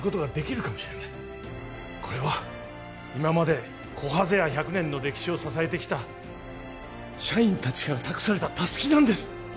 これは今までこはぜ屋１００年の歴史を支えてきた社員たちから託されたたすきなんです